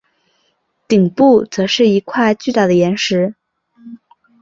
顶部则是一块巨大的岩石。